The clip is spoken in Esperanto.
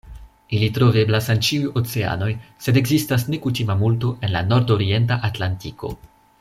Ili troveblas en ĉiuj oceanoj, sed ekzistas nekutima multo en la nordorienta Atlantiko.